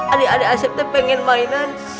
adik adik asep itu pengen mainan